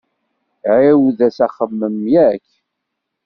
Ɛiwed-as axemmem, yak?